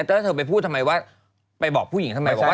แล้วเธอไปพูดทำไมว่าไปบอกผู้หญิงทำไม